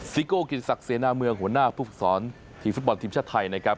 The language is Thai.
สิกก็กิจศักรณ์เซียนของเมืองหัวหน้าผู้ฟักษอนทีฟุตบอลทีมชาติไทยนะครับ